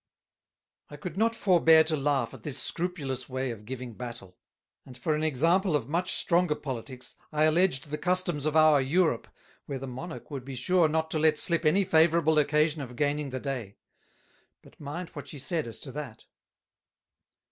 I could not forbear to Laugh at this scrupulous way of giving Battle; and for an Example of much stronger Politicks, I alledged the Customs of our Europe, where the Monarch would be sure not to let slip any favourable occasion of gaining the day; but mind what she said as to that.